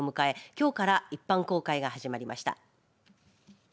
きょうから一般公開が始まりました。